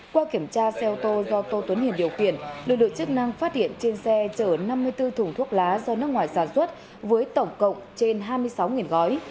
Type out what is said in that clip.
qua kiểm tra xe ô tô do tô tuấn hiền điều khiển lực lượng chức năng phát hiện trên xe chở năm mươi bốn thùng thuốc lá do nước ngoài sản xuất với tổng cộng trên hai mươi sáu gói